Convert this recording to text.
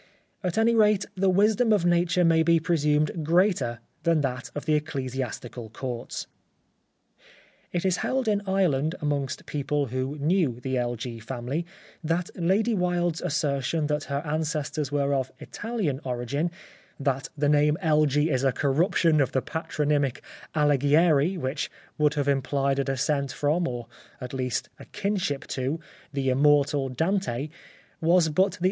At any rate, the wisdom of Nature may be presumed greater than that of the Ecclesiastical Courts. It is held in Ireland amongst people who knew the Elgee family that Lady Wilde's assertion that her ancestors were of Italian origin, that the name Elgee is a corruption of the patronymic Alighieri which would have implied a descent from, or, at least, a kinship to, the immortal Dante, was but the oU'.